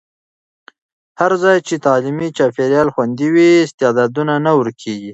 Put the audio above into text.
هر ځای چې تعلیمي چاپېریال خوندي وي، استعدادونه نه ورکېږي.